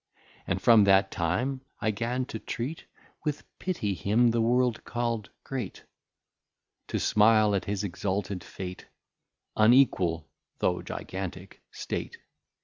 And from that time I'gan to treat With Pitty him the World call'd Great; To smile at his exalted Fate, Unequal (though Gigantick) State.